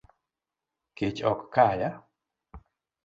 Kech ok kaya